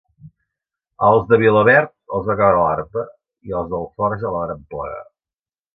Als de Vilaverd, els va caure l'arpa, i els d'Alforja la varen plegar.